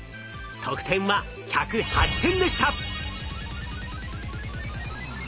得点は１０８点でした。